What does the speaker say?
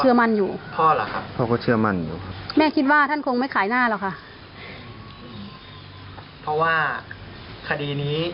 คือว่าตำรวจต้องจับได้